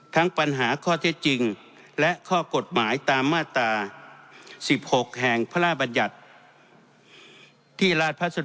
ทั้งปัญหาข้อเท็จจริงและข้อกฎหมายตามมาตรา๑๖แห่งพศ๒๕๖๒